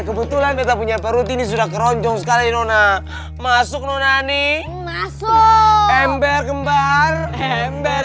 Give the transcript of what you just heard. kebetulan kita punya perut ini sudah keroncong sekali nona masuk nonani masuk ember kembar ember